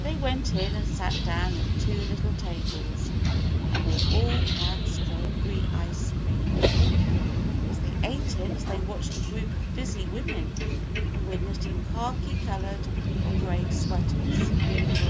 They went in and sat down at two little tables, and they all had strawberry ice cream. As they ate it they watched a group of busy women who were knitting khaki colored or gray sweaters.